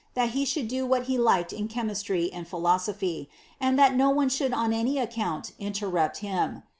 103 erien that he should do what he liked in chemistry and philosophy, aoJ that no one should on any account interrupt him.